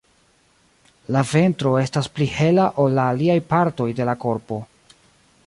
La ventro estas pli hela ol la aliaj partoj de la korpo.